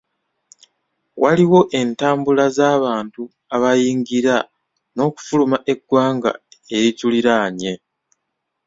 Waliwo entambula z'abantu abayingira n'okufuluma eggwanga erituliraanye.